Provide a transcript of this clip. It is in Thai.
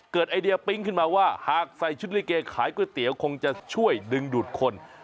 ไอเดียปิ๊งขึ้นมาว่าหากใส่ชุดลิเกขายก๋วยเตี๋ยวคงจะช่วยดึงดูดคน